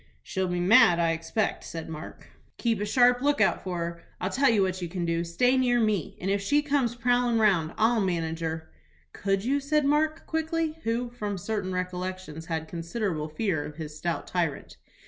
"She'll be mad, I expect," said Mark. "Keep a sharp lookout for her. I'll tell you what you can do: stay near me, and if she comes prowlin' round I'll manage her." "Could you?" said Mark, quickly, who, from certain recollections, had considerable fear of his stout tyrant.